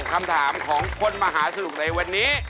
คำถามของคนมหาสนุกในวันนี้